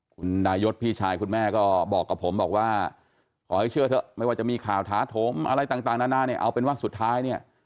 คุณดายศพี่ชายคุณแม่ก็บอกกับผมบอกว่าขอให้เชื่อเถอะไม่ว่าจะมีข่าวท้าโถมอะไรต่างนานาเนี่ยเอาเป็นว่าสุดท้ายเนี่ย